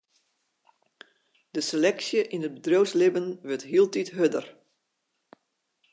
De seleksje yn it bedriuwslibben wurdt hieltyd hurder.